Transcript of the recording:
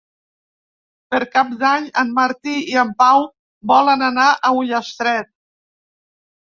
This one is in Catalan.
Per Cap d'Any en Martí i en Pau volen anar a Ullastret.